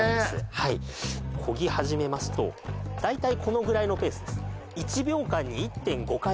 はいこぎはじめますと大体このぐらいのペースです